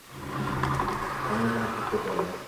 আমি এখানে থাকতে চাই না।